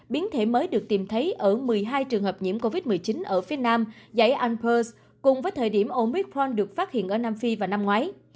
biến thể mới được tìm thấy ở một mươi hai trường hợp nhiễm covid một mươi chín ở phía nam dãy alpers cùng với thời điểm omicron được phát hiện ở nam phi vào năm ngoái